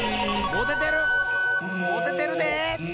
もててる！モ！